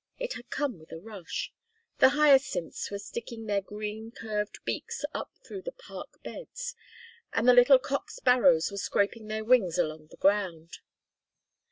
It had come with a rush. The hyacinths were sticking their green curved beaks up through the park beds, and the little cock sparrows were scraping their wings along the ground.